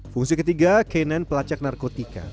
fungsi ketiga k sembilan pelacak narkotika